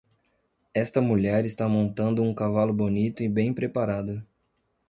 Esta mulher está montando um cavalo bonito e bem preparado.